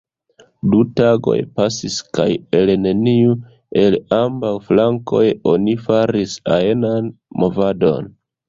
Du tagoj pasis kaj el neniu el ambaŭ flankoj oni faris ajnan movadon.